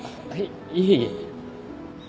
いえいえ。